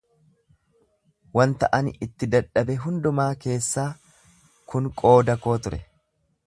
wanta ani itti dadhabe hundumaa keessaa, kun qooda koo ture.